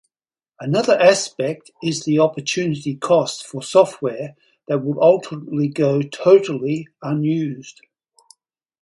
Another aspect is the opportunity cost for software that will ultimately go totally unused.